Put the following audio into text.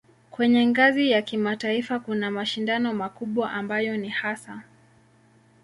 Kwenye ngazi ya kimataifa kuna mashindano makubwa ambayo ni hasa